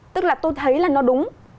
tức là tôi thấy là nó đúng